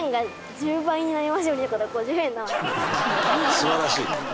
「素晴らしい」